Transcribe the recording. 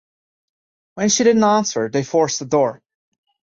When she didn't answer, they forced the door.